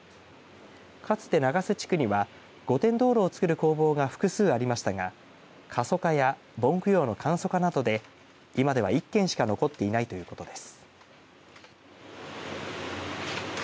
かつて長洲地区には御殿灯ろうを作る工房が複数ありましたが過疎化や盆供養の簡素化などで今では１軒しか残っていないということです。